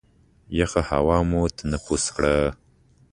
یخه هوا مو تنفس کړل.